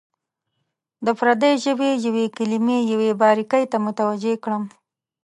د پردۍ ژبې یوې کلمې یوې باریکۍ ته متوجه کړم.